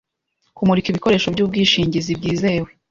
Kumurika ibikoresho byubwishingizi bwizewe